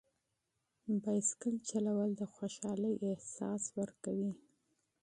بایسکل چلول د خوشحالۍ احساس ورکوي.